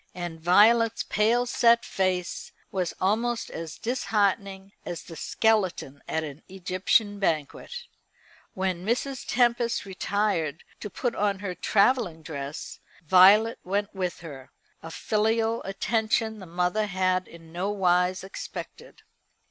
And Violet's pale set face was almost as disheartening as the skeleton at an Egyptian banquet. When Mrs. Tempest retired to put on her travelling dress Violet went with her, a filial attention the mother had in no wise expected.